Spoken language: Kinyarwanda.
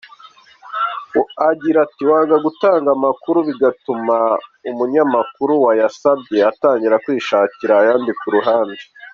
Agira at "Wanga gutanga amakuru bigatuma umunyamakuru wayasabye atangira kwishakira ayandi ku ruhande.